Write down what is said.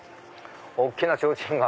大きなちょうちんが。